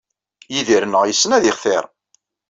Yidir-nneɣ yessen ad yextir.